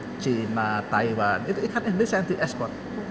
vietnam china taiwan itu ikan indonesia yang di ekspor